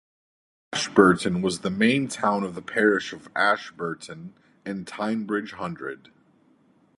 Ashburton was then the main town of the Parish of Ashburton, in Teignbridge Hundred.